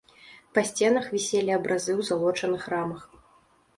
Па сценах віселі абразы ў залочаных рамах.